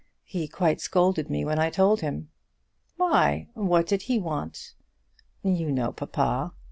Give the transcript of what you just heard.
He quite scolded me when I told him." "Why; what did he want?" "You know papa."